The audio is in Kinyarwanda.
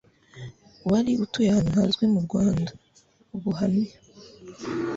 wari utuye ahantu hazwi mu Rwanda, Ubuhamya